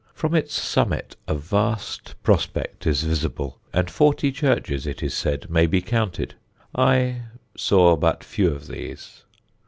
From its summit a vast prospect is visible, and forty churches, it is said, may be counted. I saw but few of these.